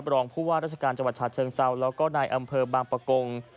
รองผู้ว่าราชการจังหวัดฉะเชิงเซาแล้วก็นายอำเภอบางปะกง